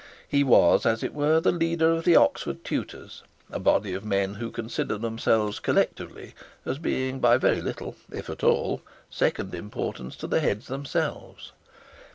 He was, as it were, the leader of the Oxford tutors, a body of men who consider themselves collectively as being by very little, if at all, second in importance to the heads themselves.